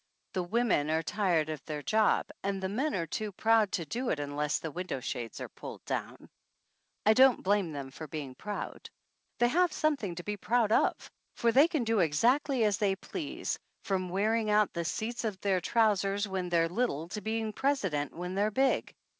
The women are tired of their job and the men are too proud to do it unless the window shades are pulled down. I don't blame the men for being proud. They have something to be proud of, for they can do exactly as they please, from wearing out the 29 THE ANNALS OF ANN seats of their trousers when they're little to be ing president when they're big.